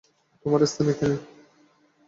তোমার স্থান এখানেই।